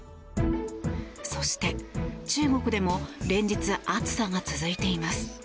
そして、中国でも連日、暑さが続いています。